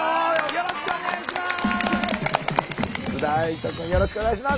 よろしくお願いします。